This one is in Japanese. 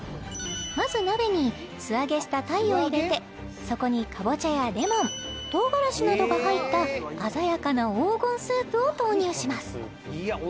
まず鍋に素揚げした鯛を入れてそこにカボチャやレモン唐辛子などが入った鮮やかな黄金スープを投入します